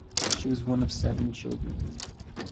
She was one of seven children.